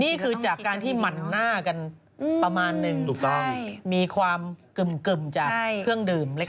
นี่คือจากการที่หมั่นหน้ากันประมาณนึงมีความกึ่มจากเครื่องดื่มเล็ก